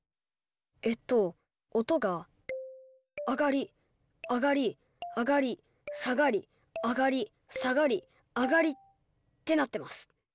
えっと音が上がり上がり上がり下がり上がり下がり上がりってなってます。